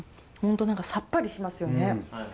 本当何かさっぱりしますよね。